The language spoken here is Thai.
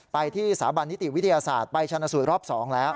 ไปที่สถาบันนิติวิทยาศาสตร์ไปชนะสูตรรอบ๒แล้ว